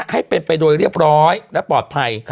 ให้เป็นไปโดยเรียบร้อยและปลอดภัย